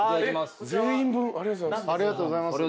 全員分ありがとうございます。